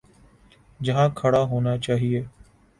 جہاں کھڑا ہونا چاہیے۔